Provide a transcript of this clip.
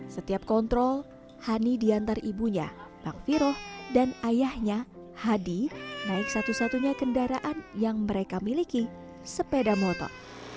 setiap kontrol hani diantar ibunya bang viroh dan ayahnya hadi naik satu satunya kendaraan yang mereka miliki sepeda motor